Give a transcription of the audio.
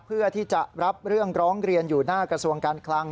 เพื่อที่จะรับเรื่องร้องเรียนอยู่หน้ากระทรวงการคลัง